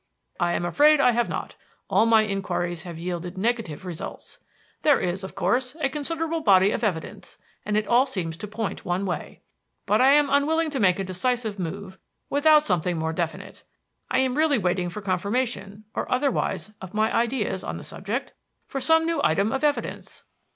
"I am afraid I have not. All my inquiries have yielded negative results. There is, of course, a considerable body of evidence, and it all seems to point one way. But I am unwilling to make a decisive move without something more definite. I am really waiting for confirmation or otherwise of my ideas on the subject; for some new item of evidence."